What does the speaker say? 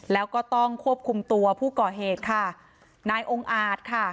แล้วก็ต้องควบคุมตัวผู้ก่อเหตุค่ะนายองค์อาจค่ะ